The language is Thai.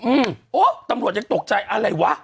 โอ้ตำรวจยังตกใจอะไรวะ